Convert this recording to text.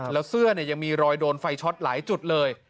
แล้วเสื้อยังมีรอยโดนไฟช็อตหลายจุดเลย